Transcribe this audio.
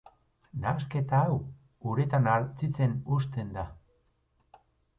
Nahasketa hau uretan hartzitzen uzten da.